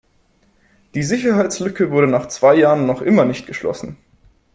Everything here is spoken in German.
Die Sicherheitslücke wurde nach zwei Jahren noch immer nicht geschlossen.